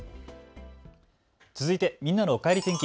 続いてみんなのおかえり天気。